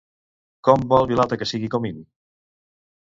Com vol Vilalta que sigui Comín?